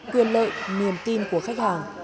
quyền lợi niềm tin của khách hàng